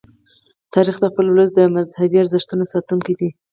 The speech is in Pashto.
تاریخ د خپل ولس د مذهبي ارزښتونو ساتونکی دی.